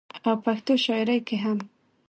او پښتو شاعرۍ کې هم